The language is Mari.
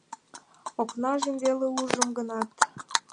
Окнажым веле ужым гынат